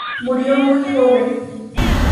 Murió muy joven.